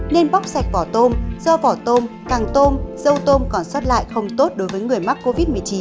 nên bóc sạch vỏ tôm do vỏ tôm càng tôm dâu tôm còn xót lại không tốt đối với người mắc covid một mươi chín